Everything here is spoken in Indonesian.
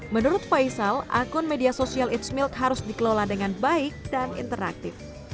menurut faisal akun media sosial it's milk harus dikelola dengan baik dan interaktif